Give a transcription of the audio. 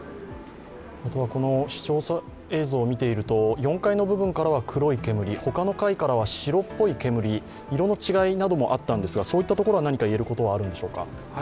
視聴者映像を見ていると、４階の部分から黒い煙、他の階から白っぽい煙、色の違いもあったんですが、そういったところから言えることはあるんでしょうか？